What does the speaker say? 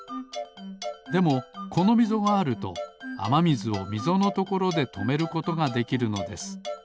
でもこのみぞがあるとあまみずをみぞのところでとめることができるのです。